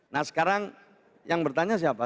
nah sekarang yang bertanya siapa